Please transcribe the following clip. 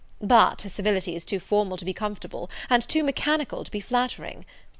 But her civility is too formal to be comfortable, and too mechanical to be flattering.